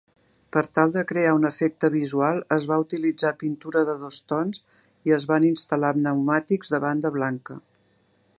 Per tal de crear un efecte visual es va utilitzar pintura de dos tons i es van instal·lar pneumàtics de banda blanca.